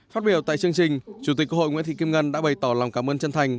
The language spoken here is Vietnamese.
phát biểu tại chương trình chủ tịch quốc hội nguyễn thị kim ngân đã bày tỏ lòng cảm ơn chân thành